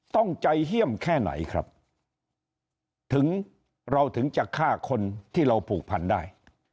ต้องใจเฮี่ยมแค่ไหนครับถึงเราถึงจะฆ่าคนที่เราผูกพันได้